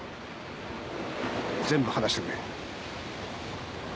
全部話してくれ。